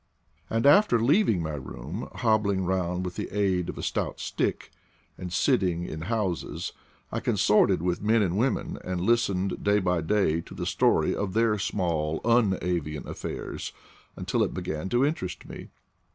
And after leaving my room, hobbling round with the aid of a stout stick, and sitting in houses, I consorted with men and women, and listened day by day to the story of their small un avian affairs, until it began to interest me.